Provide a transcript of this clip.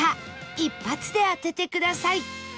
１発で当ててください